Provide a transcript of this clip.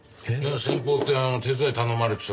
先方って手伝い頼まれてたとこですか？